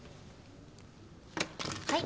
はい。